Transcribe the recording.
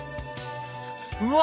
うわ！